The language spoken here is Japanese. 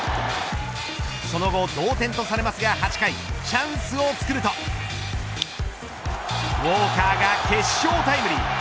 その後、同点とされますが８回、チャンスを作るとウォーカーが決勝タイムリー。